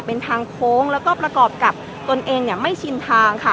เป็นทางโค้งแล้วก็ประกอบกับตนเองไม่ชินทางค่ะ